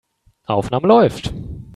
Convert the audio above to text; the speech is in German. Aufnahme läuft.